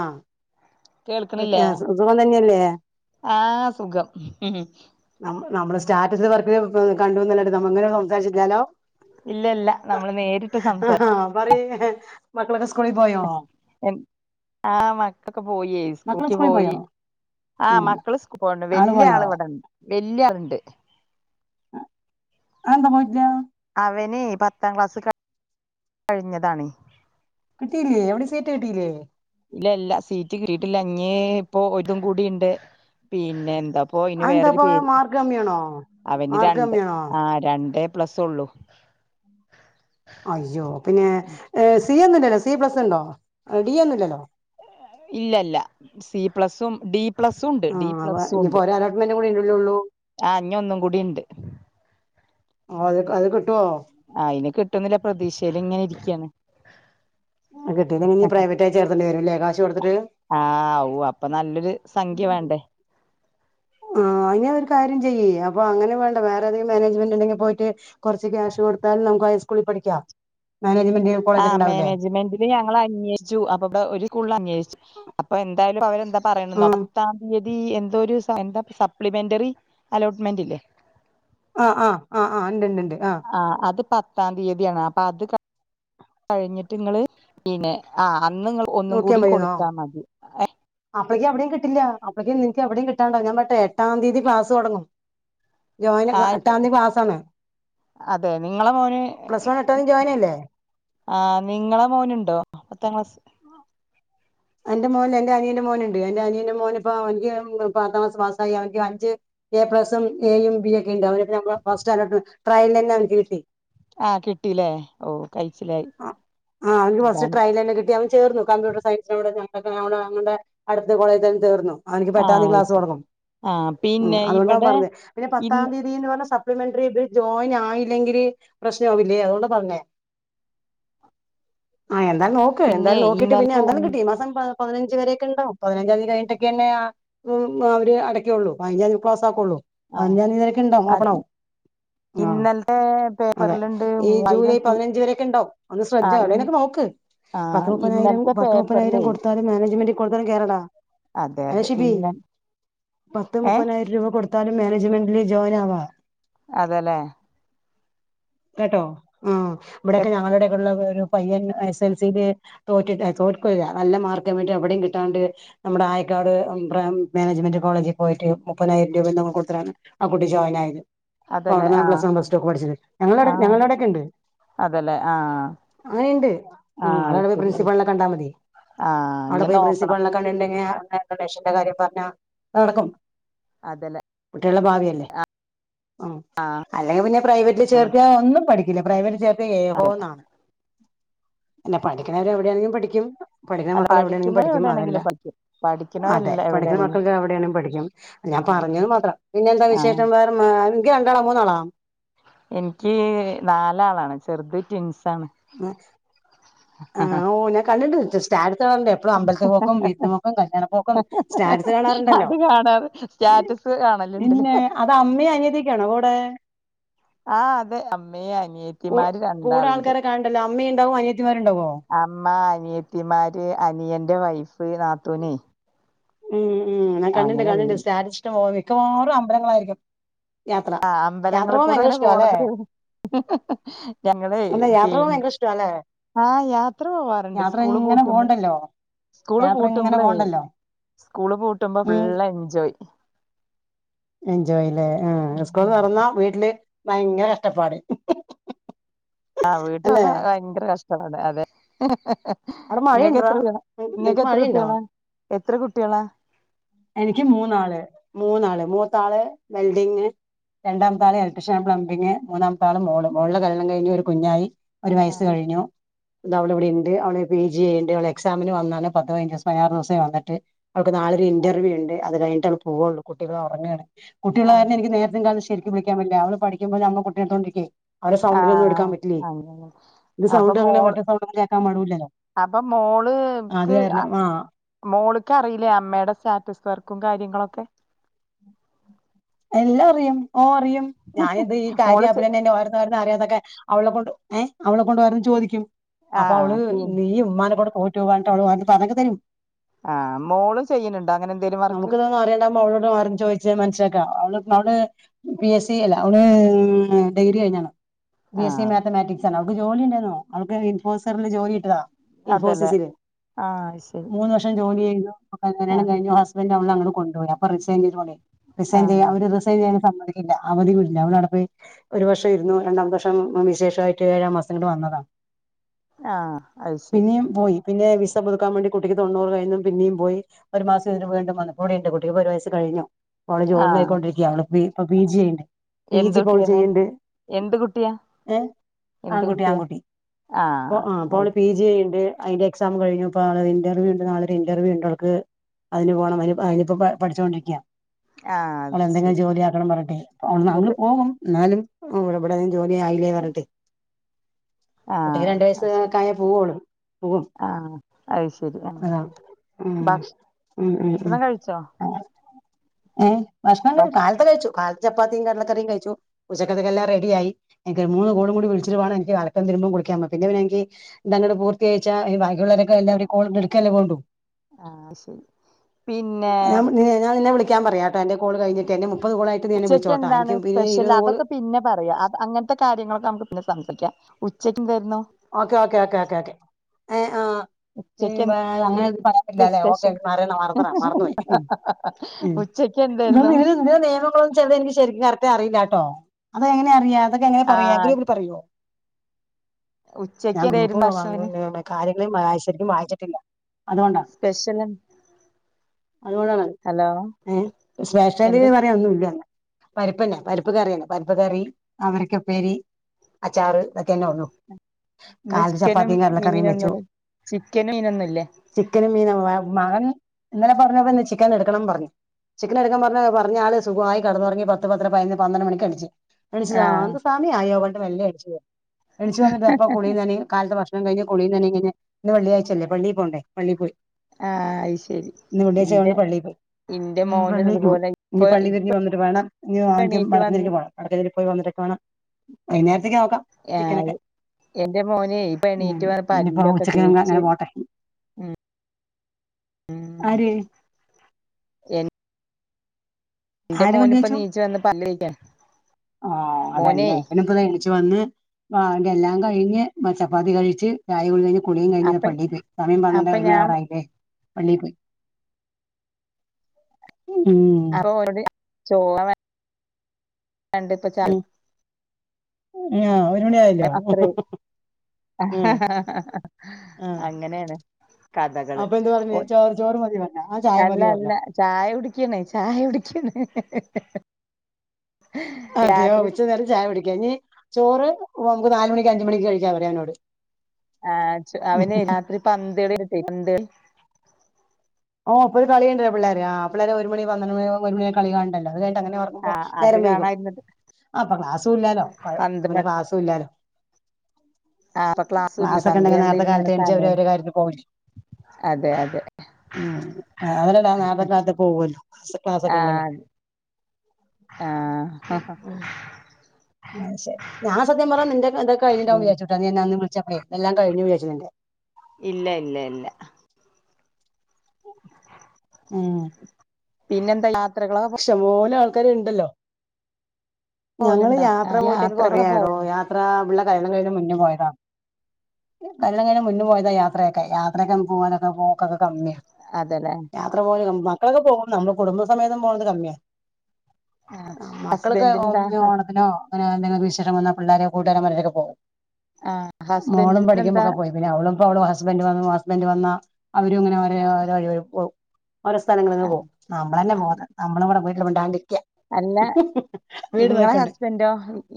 ആഹ കേൾക്ക്ണില്ലേ തന്നെയല്ലേ ആഹ സുഖം നമ്മള് സ്റ്റാറ്റസിലും വർക്കിലും കണ്ടുന്നല്ലാണ്ട് നമ്മള് ഇങ്ങനെ സംസാരിച്ചിട്ടില്ലാലോ ഇല്ല ഇല്ല നമ്മള് നേരിട്ട് സംസാ ആഹ് പറയ് മക്കളൊക്കെ സ്ക്കൂളി പോയോ ആഹ മക്കളൊക്കെ പോയി മക്കള് സ്കൂളിക്ക് സ്കൂളിൽ പോയി പോയോ ആ ഉം മക്കള് സ് പോണ്ട് വല്യയ ആള് ഇവിടെ ഇണ്ട് വല്യയ ആളുണ്ട് അത് ന്താ [unintelligible] അവന് പത്താം ക്ലാസ് കഴിഞ്ഞതാണ് കിട്ടിയില്ലേ എവിടെ സീറ്റ് കിട്ടിയില്ലേ ഇല്ല ഇല്ല സീറ്റ് കിട്ടീട്ടില്ല. ഇഞ്ഞ് ഇപ്പൊ ഒര് തും കൂടിണ്ട് പിന്നെ എന്താ? അപ്പൊ ഇനി വേറൊരു അതെന്താപ്പ പേര്. മാർക്ക് കമ്മിയാണോ അവന് മാർക്ക് രണ്ട് കമ്മിയാണോ ആ രണ്ട് എപ്ലസ്സൊള്ളു. അയ്യോ പിന്നെ സി ഒന്നുല്ലല്ലോ. സി പ്ലസ് ഇണ്ടോ ഡി ഒന്നും ഇല്ലല്ലോ ഇല്ലല്ല സി പ്ലസും ഡി പ്ലസും ഇണ്ട്. ഡി ആഹ് അപ്പ പ്ലസും ഇനിയിപ്പോ ഇണ്ട്. ഒരു അലോട്ട്മെന്റ് കൂടി ഇല്ലല്ലേ ഉള്ളൂ ആഹ് ഇഞ്ഞ് ഒന്നും കൂടി ഇണ്ട്. ഓ അത് അത് കിട്ടോ ആഹ് അയ്ന് കിട്ടുന്ന്ള്ള പ്രതീക്ഷയിലിങ്ങനെ ഇരിക്ക്യാണ് കിട്ടിയില്ലെങ്കി ഇനി പ്രൈവറ്റ് ആയി ചേർക്കേണ്ടി വരൂല്ലേ കാശു കൊടുത്തിട്ട് ആ ഉവ്വ് അപ്പൊ നല്ലൊരു സംഖ്യ വേണ്ടേ? ആഹ് ആയ്നെ ഒരു കാര്യം ചെയ്യ്. അപ്പൊ അങ്ങനെ വേണ്ട വേറെ ഏതെങ്കിലും മാനേജ്മെന്റ് ഉണ്ടെങ്കിൽ പോയിട്ട് കൊറ്ച്ച് ക്യാഷ് കൊടുത്താലു നമുക്ക് ഹൈസ്കൂളി പഠിക്കാം മാനേജ്മെന്റ് ആ കോളേജൊക്കെ ഉണ്ടാവില്ലേ മേനേജ്മെന്റില് ഞങ്ങൾ അന്വേഷിച്ചു. അപ്പം ഒരു സ്കൂള് ള് അന്വേഷിച്ചു, അപ്പൊ എന്തായാലും അവരെന്താ പറയണംന്നോ. ആഹ് പത്താം തീയതി എന്തോരു എന്താ സപ്ലിമെന്ററി അലോട്ട്മെന്റ് ഇല്ലേ? അഹ് അഹ് അഹ് അഹ് ഇണ്ട് ഇണ്ട് ഉണ്ട് ആഹ് ആഹ് അത് പത്താം തീയതിയാണ്. അപ്പൊ അത് കണ്ട് അ കഴിഞ്ഞിട്ട് ഇങ്ങള് പിന്നെ ആഹ് അന്ന് ഇങ്ങൾ ഒന്നും കൂടി കൊടുത്താ മതി എഹ് അപ്ലേക്ക് അവിടിം കിട്ടില്ല. അപ്ലെക്ക് നിനിക്ക് എവിടെയും കിട്ടാണ്ടാവും. ഞാൻ പറയട്ടെ എട്ടാം തീയതി ക്ലാസ് തൊടങ്ങും. ജോയിന് എ ആഹ് എട്ടാന്തി ക്ലാസ് ആണ് അതെ നിങ്ങളെ മോന് പ്ലസ് വൺ എട്ടിനും ജോയിൻ അല്ലേ ആഹ് നിങ്ങളെ മോന് ഇണ്ടോ പത്താം ക്ലാസ്സിൽ? എന്റെ മോന് എൻ്റെ അനിയന്റെ മോന് ഇണ്ട്. എന്റെ അനിയന്റെ മോന്റപ്പം അവനിക്ക് പത്താം ക്ലാസ് പാസായി അവനിക്ക് വാങ്ങിച്ച് എ പ്ലസും എയും ബി ഒക്കെ ഇണ്ട്. അവന് ഇപ്പം നമ്മൾ ഫസ്റ്റ് അലോട്ട്മെൻ്റ് ട്രയൽ തന്നെ അവനിക്ക് കിട്ടി ആഹ് കിട്ടിയില്ലേ ഓ കഴിച്ചിലായി അതാണ് ഇല്ലല്ല കിട്ടിയവൻ ചേർന്നു. കമ്പ്യൂട്ടർ സയൻസിനവിടെ ഞങ്ങടെ അവിടെ അടുത്ത് കോളേജിലുംചേർന്നു എനിക്ക് എട്ടാം തീയതി ക്ലാസ് ആഹ് തൊടങ്ങും. ആഹ് ഉം പിന്നെ അതുകൊണ്ടാ അവൻ ഇവിടെ പറഞ്ഞെ പിന്നെ പത്താം ഇന്ന് തീയതി- [unintelligible] പറഞ്ഞ സപ്ലിമെന്ററി ജോയിൻ ആയില്ലെങ്കില് പ്രശ്നമാവില്ലേ അതുകൊണ്ട് പറഞ്ഞയാ ആഹ് എന്തായാലും നോക്ക്. പിന്നെ എന്തായാലും നോക്കീട്ട് ഇന്നലെ പിന്നെ പോ എന്തായാലും കിട്ടും ഈ മാസം പതിനഞ്ച് വരെ [unintelligible] പതിനഞ്ചാം തീയതി കഴിഞ്ഞട്ടക്കെ തന്നെ ആഹ് അവര് അടക്ക്യെ ഒള്ളൂ. പതിനഞ്ചാം തീയതി ക്ലോസാക്കൊള്ളു. ആ പതിനഞ്ചാം തീയതി വരെ ഒക്കെ ഇണ്ടാവും. അതെ ഓപ്പണാവും ആഹ് ഇന്നലത്തെ അതെ പേപ്പറിലുണ്ട് ഈ ജൂലൈ മൂവായിരം ഫീ പതിനഞ്ച് വരെ ഒക്കെ ഇണ്ടാവും. ഒന്ന് ആ ശ്രജ ഇ അളിയനൊക്കെ നോക്ക്. ആ പത്തുമുപ്പതിനായിരം ഇന്നലത്തെ പത്തുമുപ്പതിനായിരം പേപ്പറിലേ കൊട്ത്താലും മാനേജ്മെൻ്റിൽ കൊടുത്ത് കേറടാ. അതെ അല്ലേ അതെ ഷിബി ഇന്ന പത്ത് ഏ മുപ്പതിനായിരം രൂപ കൊടുത ഏതാലും മേനേജ്മെന്റില് ജോയിൻ ആവ അതേ ലേ കേട്ടോ ഉം. ഇവിടൊക്കെ ഞങ്ങള്ടെ ഇവിട്ള്ള ഒരു പയ്യൻ എസ് എൽസിക്ക് തോറ്റിട്ട് തോൽക്ക്വല്ല. നല്ല മാർക്കില്ലാണ്ട് എവിടെം കിട്ടാണ്ട് നമ്മുടെ ആയക്കാട് മാനേജ്മെന്റ് കോളേജി പോയിട്ട് മുപ്പതിനായിരം രൂപ എന്തോ കൊടുത്തിടാണ് ആ കുട്ടി ജോയിൻ ആയത്. അപ്പൊ അതല്ലേ അവിട് ഇന്നാണ് പ്ലസ് വൺ ആഹ് പ്ല്ടു ഒക്കെ പഠിച്ചത് ഞങ്ങളുടെ ഔടെ ഞങ്ങളുടെ അടൊക്കെ ഇണ്ട്. അതെല്ലെ ആഹ് അങ്ങനീ ഇണ്ട് ഉം ആഹ് അത് അതവരുടെ ശരി പ്രിൻസിപ്പളിനെ കണ്ടാ മതി ആഹ് അവിടെ ഇഞ്ഞി പോയി നോക്കണം പ്രിൻസിപ്ള്നെ കണ്ട് കഴിഞ്ഞാൽ [unintelligible] ണേഷന്റെ കാര്യം പറഞ്ഞ നടക്കും അതെല്ലെ കുട്ട്യേളെ ഭാവിയല്ലേ അം ആഹ് അല്ലെങ്കി പിന്നെ പ്രൈവറ്റിൽ ചേർത്ത്യാ ഒന്നും പഠിക്കില്ല പ്രൈവറ്റിൽ ചേർത്താൽ എതോന്നാണ് പിന്നെ പഠിക്കണവര് എവിടെയാണെങ്കിലും പഠിക്ക്യും പഠിക്ക്ന്ന അല്ല മക്കൾ എവിടെയാണെലും പഠിക്കുന്നവര് പഠിക്കും അതല്ല എവിടെയാണെങ്കിലും പഠിക്കും അതെ പഠിക്കുന്നവരല്ല പഠിക്കുന്ന എവിടെയാണെങ്കിലും മക്കൾക്ക് എവിടെയാണങ്കിലും പഠിക്കും ഞാൻ അതെ പറഞ്ഞത് മാത്രം. പിന്നെ എന്താ ആഹ് വിശേഷം വേറെ എങ്കി രണ്ടാളോ മൂന്നാളോ? എനിക്ക് നാലാളാണ്. ചെറുത് ട്വിൻസാണ് ആ ആ ഓഹ് ഞാൻ കണ്ടിണ്ട് സ്റ്റാടുത്ത് കാണണ്ടേ ഇപ്പോ അമ്പലത്തി പോക്കും വീരുന്ന് പോക്കും കല്യാണ പോക്കും സ്റ്റാറ്റസ് കാണാറുണ്ടല്ലോ അത് കാണാറ് സ്റ്റാറ്റസ് കാണലുണ്ടല്ലേ പിന്നെ അത് അമ്മേം അനിയത്തിക്കെ ആണോ കൂടെ ആ അതെ അമ്മയേം അനിയത്തിമാര് രണ്ടാളുണ്ട് ണ്ടല്ല അമ്മ ഇണ്ടാവും അനിയത്തിമാരും ഇണ്ടാവുമോ അമ്മ അനിയത്തിമാര് അനിയന്റെ വൈഫ് നാത്തൂനെ ഉം ഉം ഞാൻ കണ്ടിണ്ട് അങ്ങനെ കണ്ടിണ്ട് [unintelligible] മിക്കവാറും അമ്പലങ്ങളായിരിക്കും യാത്ര ആ യാത്ര അമ്പലങ്ങൾ പോകാൻ കൂടെ ഭയങ്കര അങ്ങനെ ഇഷ്ടല്ലേ പോണത് ഞങ്ങളേ പി റ്റു അല്ലേ ആഹ് യാത്ര പോവാറുണ്ട് സ്കൂള് പൂട്ടുമ്പോൾ പോണ്ടല്ലോ സ്കൂള് യാത്ര ഇങ്ങനെ പൂട്ടുമ്പോളേ പോണ്ടല്ലോ സ്കൂള് പൂട്ടുമ്പോ ഉം ഫുള്ള് എൻജോയ് എൻജോയ്ല്ലേ ആ സ്കൂൾ തൊറന്നാ വീട്ടില് ഭയങ്കര കഷ്ടപ്പാട് ആഹ് വീട്ടില് അല്ലെ വന്നാ ഭയങ്കര കഷ്ടമാണ് അതെ അവിടെ ഇങ്ങക്ക് മഴയുണ്ടോ എത്ര കുട്ടിയളാ നിങ്ങക്ക് എത്ര കുട്ടികളാ എത്ര കുട്ടികളാ എനിക്ക് മൂന്നാള് മൂന്നാള് മൂത്താള് വെൽഡിങ് രണ്ടാമട്ടാള് ഇലക്ട്രീഷൻ പ്ലംബിംഗ് മൂന്നാമത്താള് മോൾടെ കല്ല്യാണം കഴിഞ്ഞ് കുഞ്ഞായി ഒരു വയസ്സ് ആഹ് കഴിഞ്ഞു ഇത് അവളിവിടെ ണ്ട് അവള് പി ജി ചെയ്യണ്ട് അവള എക്സാമിന് വന്നാണ് പത്ത് പതിനഞ്ച് ദിവസം പതിനാറ് ദിവസായി വന്നിട്ട് അവൾക്ക് നാളൊരു ഇന്റർവ്യൂണ്ട് അത് കിഴിഞ്ഞിട്ടേ അവള് പോവുള്ളു കുട്ടികളെ ഉറങ്ങയാണ് കുട്ടികള് ആഹ് കാരണം എനിക്ക് നേരത്തും കാ [unintelligible] വിളിക്കാ പറ്റില്ല അവള് പഠിക്കുമ്പോ നമ്മ കുട്ടീ എടുത്തോണ്ടിരിക്കേ അവടെ സൗണ്ടിലൊന്നും എടുക്കാൻ ആഹ് പറ്റില്ലേ അങ്ങനെ ഇത് അപ്പൊ സൗണ്ട് അങ്ങനെ മോള് വല്ല്യ സൗണ്ട് കേക്കാൻ പാടൂലല്ലോ അപ്പൊ മോള്ക്ക് ആഹ് മോള്ക്ക് അറിയില്ലേ അമ്മയുടെ സ്റ്റാറ്റസ് വർക്കും കാര്യങ്ങളൊക്കെ ! ! ! ! ! ! മോള് ! ചെ ! ! ! അറിയാതൊക്കെ അവളെ കൊണ്ട് ഏഹ് അവളെ കൊണ്ട് പറഞ്ഞു ചോദിക്കും അപ്പൊ ആഹ് അവള് പി നീ ഉമ്മാനെ കൊണ്ട് [unintelligible] പറഞ്ഞക്ക തരും ആഹ് മോള് ചെയ്യലുണ്ട അങ്ങനെ എ നമുക്കിതൊന്നും അറിയണ്ടാ മോളോട് [unintelligible] ചോദിച്ച് മനസ്സിലാക്കാം അവള് നമ്മള് പി എസ് സി അല്ല അവള് ഡിഗ്രി കഴിഞ്ഞാണ് ബി എസ് സി ആഹ് മാത്തമാറ്റിക്സ് ആണ് അവൾക്ക് ജോലി ഉണ്ടായിരുന്നു അവൾക്ക് ഇൻഫോറിൽ ജോലി കിട്ടിയതാ അതല്ലേ ഇൻഫോസിസിൽ ആഹ് അത് ശരി മൂന്ന് വ ജോലി ചെയ്തു കല്ല്യാണം ആഹ് കഴിഞ്ഞു ഹസ്ബന്റ് അവളെ അങ്ങ്ട് കൊണ്ടോയി അപ്പൊ റിസൈന് റിസൈൻ ചെയ്യ ആഹ് അവര് റിസൈൻ ചെയ്യാനൻ സമ്മതിക്കില്ല അവധി ഇല്ല അവളവിടെ പോയി ഒരു വർഷം ഇരുന്നു രണ്ടാം വർഷം വിശേഷമായിട്ട് ഏഴാം മാസം ഇങ്ങട് വന്നതാ ആഹ് അത് ശരി പിന്നെയും പോയി പിന്നെ വിസ പുതുക്കാൻ വേണ്ടി കുട്ടിക്ക് തൊണ്ണൂ കഴിയിന്നും പിന്നെയും പോയി ഒരു മാസം ഇതിന് വേണ്ട [unintelligible] കുട്ടിക്ക് ഒരു വയസ്സ് കഴിഞ്ഞു ഓള് ജോലി ജോലി നോക്കി ആഹ് കൊണ്ടിരിക്ക അവള് പി ജി ചെയ്യ്ണ്ട് പി ജി എന്ത് ഇപ്പ അവള് കുട്ടിയാണ് ചെയ്യ്ണ്ട് എന്ത് കുട്ടിയാ ഏഹ് എന്ത് ആങ്കുട്ടി കുട്ടിയാ ആങ്കുട്ടി ഇപ്പോ ആഹ് അത് അവള് പി ജി ചെയ്യ്ണ്ട് അതിന്റെ എക്സാം കഴിഞ്ഞു ഇപ്പ ഇന്റർവ്യൂ ഉണ്ട് നളൊരു ഇന്റർവ്യൂ ഉണ്ട് അവക്ക് അതിന് പോണന്ന് അതിനിപ്പ പഠിച്ചോണ്ടിരിക്കാ ആഹ് അത് അവളെന്തെങ്കിലും ശരി ജോലിയാക്കണം പറട്ടെ അവള് അങ്ങനെ എന്നിട്ട് പോകും എന്നാലും ഓഹ് ഇവിടെവിടെം ജോലി ആയില്ലേ പറഞ്ഞിട്ട് കുട്ടിക്ക് ആഹ് രണ്ടു വയസ്സ് അത് ശരി കായേ പോവോളു പോകും ആഹ് അത് ശരി ആഹ് അതാ ഭക്ഷണം ഉം ഉം ഉം കഴിച്ചോ ഏഹ് ഭക്ഷണം ഭക്ഷ കാലത്തെ കഴിച്ചു കാൽ ചപ്പാത്തിയും കടലക്കറിയും കഴിച്ചു ഉച്ചത്തേക്കെല്ലാം റെഡിയായി എനിക്ക് മൂന്ന് [unintelligible] വേണം എനക്ക് അലക്കേം തിരുമ്പോ കുളിക്കാ പിന്ന പിന്നെനിക്ക് ഇതങ്ങിട് പൂർത്തികരിച്ചാ ഈ ബാക്കിയുള്ളവരൊക്ക എല്ലാവരും എടുക്കല്ലേ പോണ്ടു ആഹ് ശരി പിന്നെ നാം നിന്ന വിളി ക്കാൻ പറയാ ട്ടാ എന്റെകോള് കഴിഞ്ഞിട്ട് മുപ്പത് കോളായിട്ട് എന്നെ വിളി ഉച്ചക്ക് ചോ ട്ടാ എന്താണ് എനി പിന്ന സ്പെഷ്യൽ ഇരുവത് ഗോള് അതൊക്കെ പിന്നെ പറയാ അങ്ങനത്തെ കാര്യങ്ങളൊക്കെ നമുക്ക് പിന്നെ സംസിക്കാം ഉച്ചക്ക് എന്തായിരുന്നു ഓക്കേ ഓക്കേ ഓക്കേ ഓക്കെ എ ആ ഉച്ചക്ക് എവാ എന്ത് അങ്ങനെ ന്നും പറയാൻ പറ്റില്ലല്ലെ ഓക്കെ സ്പെഷ്യൽ മറന്നട മറന്ന് ഓയി ഉച്ചക്ക് ഇധ എന്തായിരുന്നു നിയമങ്ങളൊന്നും ചെറിയ മിസ് ശരിക്കും കറക്റ്റ് അറിയില്ലട്ടോ അതെ എങ്ങനെ അറിയ അതൊക്കെ എങ്ങനെ ആ പറയാ ഗ്രൂപ്പ്‌ പറയോ ഞാൻ ഉച്ചക്ക് ഗ്രൂപ്പ് എന്തായിരുന്നു ഭക്ഷണത്തിന് കാര്യങ്ങളും മായാ വായിച്ചിട്ടില്ല അതുകൊണ്ടാ സ്പെഷ്യല് അതുകൊണ്ടാണത് ഏ ശേഷല് എന്ത് പറയാൻ ഒന്നുല്യ പരിപ്പന്നെ പരിപ്പകറിന്ന പരിപ്പ് കറി അമരക്കപ്പേരി അച്ചാറ് ഇതൊക്കെന്നെ ഉള്ളു ഇന്ന് കാലത്ത് ചിക്കനും ചപ്പാത്തിയും കടലക്കറിയും വെച്ചു മീനൊന്നും ചിക്കനും ഇനൊന്നുല്ലേ ചിക്കനും മീനു മാണം ഇന്നലെ പറഞ്ഞപ്പോ ഇന്ന് ചിക്കൻ എട് ക്കണം പറഞ്ഞു ചിക്കൻ എടുക്കാൻ പറഞ്ഞാള് സുഖമായി കടന്നുറങ്ങി പത്ത് പത്ത രപതി നൊന്ന് പന്ത്രണ്ട് മണി ക്ക് അടിച്ച് എണിച്ചുതാ ആഹ് ന്ത് സമ യായോപണ്ട് വെല്ല അടിച്ചത് എണിച്ചു വന്നിട്ട് എപ്പളാ കുളി നനിം കാലത്തെ ഭക്ഷണം കഴിഞ്ഞ് കുളീന്നനിം കഴിഞ്ഞഇന്ന് വെള്ളിയാഴ്ച്ചല്ലേ പള്ളി പോണ്ടേ പള്ളി പോയി ആ അയ് ശരി ഇന്റെ ഇന്റെ ഉ മോന് പള്ളിക്ക് പോയി ഇതുപോലെ ഇപ്പൊ ഇനി പള്ളി വി ഇപ്പ രിഞ്ഞ് വന്നിട്ട് വേണം ആ ദ്യം എണീറ്റ് വടി ക്കിനിൽ വന്ന് ക്ക് പോണം അടക്കതിൽ പോയി വന്നിട്ടൊക്കെ വാ ണം വയനാരത്ത്ര്ക്ക് നോക്കാം ആ ചിക്കനൊക്കെ എന്റെ മോന് ഇപ്പ ഉം എണീറ്റ് വന്ന് ഇനിയിപ്പോ പല്ലൊക്കെ ഉച്ചക്ക് തേച്ച് അങ്ങനെ പോട്ടെ ആര് എനി - ആര് പല്ലേ ച്ചു നീച്ചു വന്ന് പല്ല് തേക്കാണ് ആ മോനെ അതന്നെ ഇപ്പ താ ണീ ചുവന്ന് അവൻ്റെല്ലാം കഴിഞ്ഞ് മ ചപ്പാത്തി കഴിച്ച് ചായ കുടിയും കഴിഞ്ഞ് കുളിയും അപ്പ കഴിഞ് പള്ളി പോയി സമയംപത്രണ്ട് അപ്പൊ ഒരുമണി ഞാൻ യാവറായില്ലേ പള്ളി പോയി ഉം അറോ ഒരുത് ചോറായി രണ്ട് പചായി ആ ഒരു ണി ആയല്ലോ ഉം ആഹ് അങ്ങനെണ് കഥകള് അപ്പൊ എന്ത് പറഞ്ഞ് ചോറ് ചോറ് മതി പറഞ്ഞോ ആ ചായ ഒഅല്ല മതി പറഞ്ഞോ അല്ല ചായ കുടിക്ണ് ചായ കുടിക്ണ് അതെയോ ഉച്ച നേരം ചായ ടി ക്കാ ഇ നി ചോറ് നമക്ക് നാല് മണിക്ക് അഞ്ചു മണിക്ക് കഴിക്കാ പറയാ അവനോട് ആഹ് അവന് രാത്രിപന്തളി ആയിട്ട് പന്ത് ളി ഓ അപ്പൊ കളിണ്ടല്ലോ പിള്ളേരെ ആ ഓപിള്ളേരെ ഒരു മണി പന്ത്രണ്ട് മണി ഒരു മണി കളി കാണ് ണ്ടല്ലോ അത് കയിഞ്ഞിട്ട് അങ്ങനെ ഉറങ്ങി ആ ഓ അത് നേരം വൈകും കാണായിരുന്നിട്ട് ആപ്പൊ ക്ലാസ്സു പന്ത് മ ല്ലാലോപിന്നെ ക്ലാസ്സും ഇല്ലാല്ലോ ആ അപ്പൊ ക്ലാസ്സും ഇല്ല ക്ലാസ്സൊക്കെ പന്ത് ണ്ടെങ്കി നേരത്തെ കണ്ടിരുന്ന് ഇങ്ങനെ കാലത്ത് എണീ ച്ച് അവര് സമയം അവരുടെ കാര്യതിന് പോവുലെ അതെ അതെ ഉം അവനല്ലാ നാര ത്ത്കാലത്തൊക്കെ പോവല്ലോ ക്ലാസ്സൊക്കെണ്ടെങ്കെ ആഹ ഹ ഹ ആ ശെരി ഞാ സത്യം പറ നിന്റെത് കഴിഞ്ഞുണ്ടാവും ഉം വിചാ രിച്ചി ട്ടാ നീ അന്ന് വിളിച്ചപ്പോ എല്ലാംക ഴിഞ്ഞു വിചാരിച്ചു നിന്റെ ഇല്ല ഇല്ല ഇല്ല ഉം പിന്നെ ന്താ യാത്രകള ഇഷ്ടംപോലെ ആൾക്കാര് ഇ ണ്ടല്ലോ ഞങ്ങള് പോവലുണ്ടോ ആ യാത്ര പോയിട്ടൊക്കെ യാത്രകളൊക്കെ കൊറായായടോ പോവലുണ്ടോ യാത്ര പിള്ള കല്യാണ കയ്യിണ മുന്നേപോയതാ കല്യാണ കയ്യിണ മുന്നേ പോയതാ യാത്രഅയക്കാൻ യാത്ര പോവലൊക്കെ പോക്കൊ ക്കെ കമ്മിയ അതെലെ യാത്ര പോവല് മക്കളൊക്കെ പോവു നമ്മള് കുടുംബ സമേതം പോകുന്നത് കമ്മിയാ ആഹ് മക്കളൊക്കെ ഹസ്ബൻഡിനെന്താ ഓണത്തിനോ എന്തേലും വിശേഷം വന്ന പിള്ളേരെ കൂട്ടുകരം മാരക്കെ പോവും ആഹ മോളും പടിക്കുമ്പോക്കെ പോയിന്ന് പിന്നെ അവളും ഇപ്പൊ അവളു ഹസ്ബൻഡ് വന്നു, ഹസ്ബൻഡ് വന്നാ അവരുങ്ങനെ [unintelligible] ഓരോ സ്ഥലങ്ങളിൽ ആഹ് പോകും, നമ്മളന്നെ ആഹ് പോകാത് നമ്മളവിടെ വീട്ടില് മിണ്ടാണ്ടിരിക്ക അല്ല വീട് ഇങ്ങളെ നോക്കിക്കൊണ്ട് ഹസ്ബൻഡോ,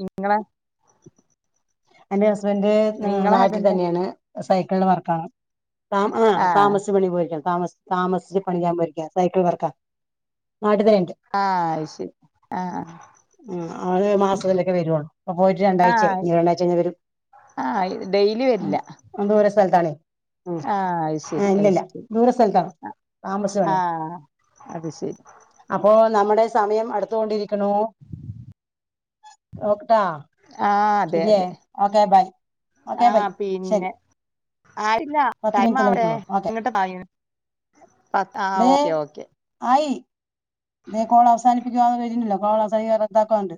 ഇങ്ങളെ? എന്റെ ഹസ്ബന്റ് ഉം നിങ്ങളെ നാട്ടിൽ ഹസ്ബൻഡോ തന്നെയാണ്, സൈക്കിളില് വർക്കാണ്. ത ആ ആഹ് താമസ പണി പോയിരിക്കാണ്, താമസ താമസിച്ച് പണിയാ പോയിരിക്ക സൈക്കിൾ വർക്കാ, നാട്ടിൽ തന്നെ ഇണ്ട്. ആഹ അത് ശരി ആഹ ഉം ആകെ മാസത്തിലൊക്കെ വരൊള്ളൂ ഇപ്പൊ പോയിട്ട് രണ്ടാഴ്ച്ചായി ഇനി രണ്ടാഴ്ച കെഴിഞ്ഞ വരും ആ ഡെയിലി വരില്ല. ഉം ദൂര സ്ഥലത്താണേ ഉം ആ അ ശരി ഏ അ ഇല്ലില്ല ശരി ദൂര സ്ഥലത്താണ് താമസിച്ച് ആ.. പണിയാ അത് ശരി. അപ്പോ നമ്മുടെ സമയം അടുത്തുകൊണ്ടിരിക്ക്നൂ. നോക്ക്ട്ടൊ ആഹ് അതെ ഷിബിയെ! അതെ ഓക്കെ ബൈ ഓക്കെ ബൈ ആഹ് ശരി പിന്നെ ആയില്ല പത്ത് മിനിറ്റല്ലേ ടൈംവിടെ പറ്റുള്ളൂ ഓക്കെ ഇങ്ങട്ട് തങ്ങ ആ് ദേ ഓക്കെ ഓക്കെ ആയി ദേ കോൾ അവസാനിപ്പിക്കുവാ വുന്നില്ലോ കോൾ അവസിക്ക റദ്ദാക്കാണ്ട്